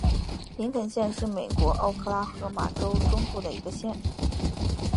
林肯县是美国奥克拉荷马州中部的一个县。